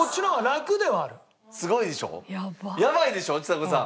やばいでしょちさ子さん。